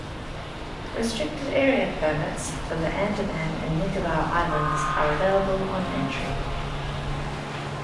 Restricted Area Permits for the Andaman and Nicobar Islands are available on entry.